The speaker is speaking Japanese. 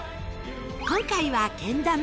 今回はけん玉